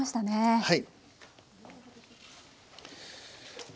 はい。